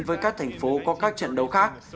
với các thành phố có các trận đấu khác